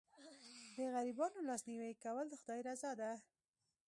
د غریبانو لاسنیوی کول د خدای رضا ده.